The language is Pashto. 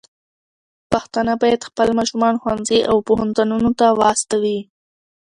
پښتانه بايد خپل ماشومان ښوونځي او پوهنتونونو ته واستوي.